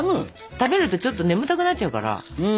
食べるとちょっと眠たくなっちゃうから。